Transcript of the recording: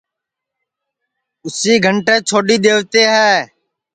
اُسی گھںٚٹؔیں چھوڈؔی دؔیوتے ہے